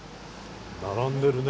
並んでるね。